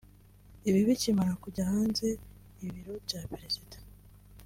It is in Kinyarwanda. Ibi bikimara kujya hanze Ibiro bya Perezida